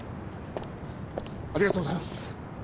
ありがとうございます。